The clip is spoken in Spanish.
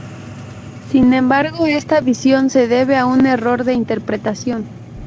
Sin embargo, esta visión se debe a un error de interpretación.